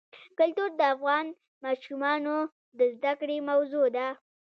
کلتور د افغان ماشومانو د زده کړې موضوع ده.